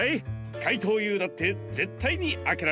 かいとうＵだってぜったいにあけられませんよ。